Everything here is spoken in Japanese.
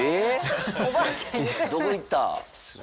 どこ行った？